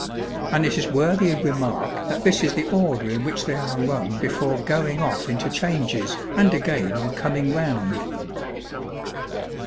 And it is worthy of remark that this is the order in which they are rung before 'going off' into changes, and again on 'coming round.'